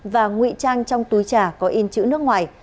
và ngụy trang trong túi trà có in chữ nước ngoài